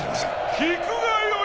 聞くがよい